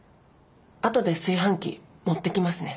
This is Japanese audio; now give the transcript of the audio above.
あとで炊飯器持ってきますね。